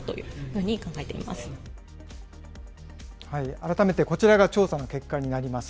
改めてこちらが調査の結果になります。